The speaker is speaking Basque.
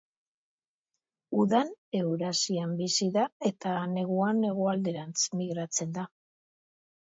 Udan Eurasian bizi da eta neguan hegoalderantz migratzen da.